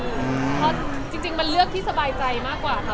เพราะจริงมันเลือกที่สบายใจมากกว่าค่ะ